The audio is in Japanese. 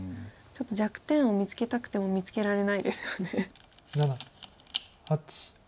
ちょっと弱点を見つけたくても見つけられないですよね。